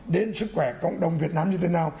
đến sức khỏe cộng đồng việt nam như thế nào